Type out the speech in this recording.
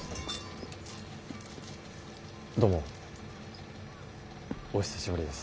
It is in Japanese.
どうもお久しぶりです。